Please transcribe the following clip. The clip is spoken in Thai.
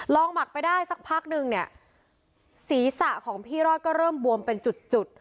หมักไปได้สักพักนึงเนี่ยศีรษะของพี่รอดก็เริ่มบวมเป็นจุดจุด